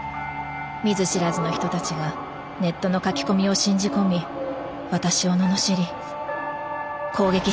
見ず知らずの人たちがネットの書き込みを信じ込み私を罵り攻撃してきました。